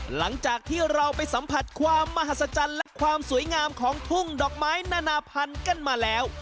หลังจากที่เราไปสัมผัสความมหัศจรรย์และความสวยงามของทุ่งดอกไม้นานาพันธุ์กันมาแล้ว